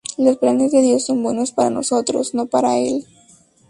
Los planes de Dios son buenos para nosotros, no para Él".